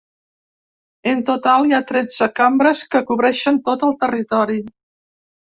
En total, hi ha tretze cambres que cobreixen tot el territori.